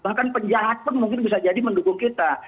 bahkan penjahat pun mungkin bisa jadi mendukung kita